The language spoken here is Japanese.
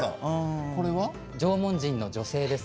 縄文人の女性です。